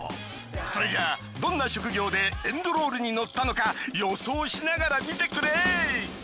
それじゃあどんな職業でエンドロールに載ったのか予想しながら見てくれ。